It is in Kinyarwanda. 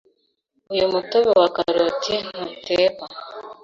Uyu mutobe wa karoti ntutekwa